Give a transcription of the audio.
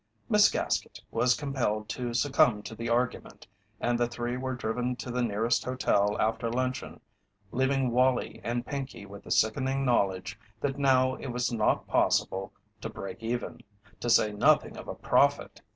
Miss Gaskett was compelled to succumb to the argument and the three were driven to the nearest hotel after luncheon, leaving Wallie and Pinkey with the sickening knowledge that now it was not possible to "break even," to say nothing of a profit.